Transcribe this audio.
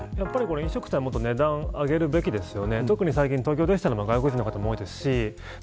飲食店はもっと値段を上げるべきですよね。